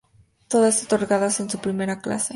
Todas otorgadas en su Primera Clase.